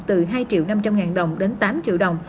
từ hai triệu năm trăm linh ngàn đồng đến tám triệu đồng